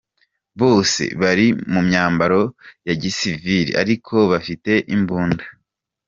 Bose bari mu myambaro ya gisivili ariko bafite imbunda.”